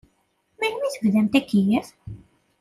Melmi i tebdamt akeyyef?